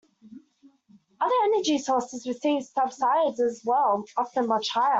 Other energy sources receive subsidies as well, often much higher.